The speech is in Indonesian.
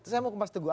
saya mau ke mas teguh